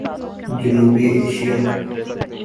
جنوبی ایشیا